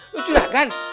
lo curah kan